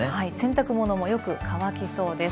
洗濯物もよく乾きそうです。